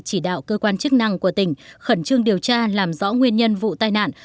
chỉ đạo cơ quan chức năng của tỉnh khẩn trương điều tra làm rõ nguyên nhân vụ tai nạn